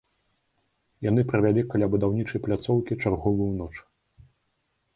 Яны правялі каля будаўнічай пляцоўкі чарговую ноч.